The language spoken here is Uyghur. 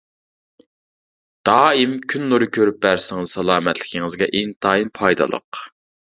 دائىم كۈن نۇرى كۆرۈپ بەرسىڭىز سالامەتلىكىڭىزگە ئىنتايىن پايدىلىق.